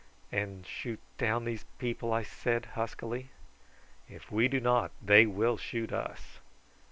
"And shoot down these people?" I said huskily. "If we do not, they will shoot us.